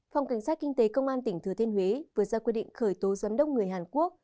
phòng cảnh sát kinh tế công an tỉnh thừa thiên huế vừa ra quyết định khởi tố giám đốc người hàn quốc